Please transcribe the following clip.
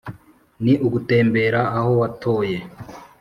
Ni ugutembera aho watoye